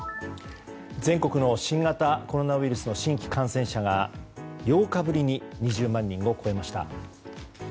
全国の新型コロナウイルスの新規感染者が８日ぶりに２０万人を超えました。